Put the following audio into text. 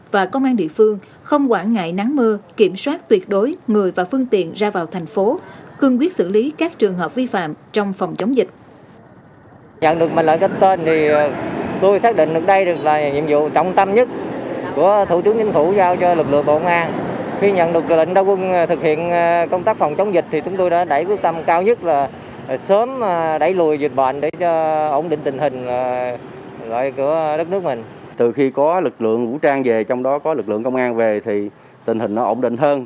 và công an địa phương không quản ngại nắng mưa kiểm soát tuyệt đối người và phương tiện ra thành phố cương quyết xử lý các trường hợp vi phạm trong phòng chống dịch và cương quyết xử lý các trường hợp vi phạm trong phòng chống dịch và cương quyết xử lý các trường hợp vi phạm trong phòng chống dịch